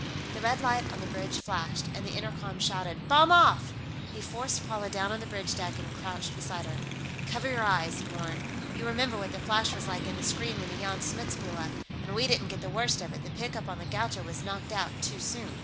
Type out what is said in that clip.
The red light on the bridge flashed, and the intercom shouted, "Bomb off!" He forced Paula down on the bridge deck and crouched beside her. "Cover your eyes," he warned. "You remember what the flash was like in the screen when the Jan Smuts blew up. And we didn't get the worst of it; the pickup on the Gaucho was knocked out too soon."